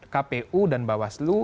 kpu dan bawaslu